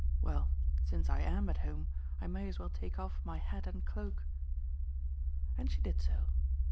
Well, since I AM at home I may as well take off my hat and cloak." And she did so.